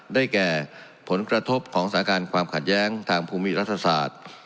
ได้แก่ผลกระทบของสถานการณ์ความขัดแย้งทางภูมิรัฐศาสตร์